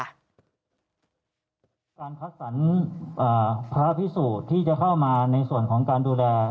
การคัดสรรพระพิสูจน์ที่จะเข้ามาในส่วนของการดูแล